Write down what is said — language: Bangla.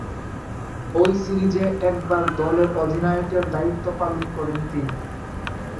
ঐ সিরিজে একবার দলের অধিনায়কের দায়িত্ব পালন করেন তিনি।